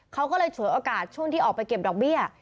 เขาก็เลยฉวยโอกาสช่วงที่ออกไปเก็บดอกเบี้ย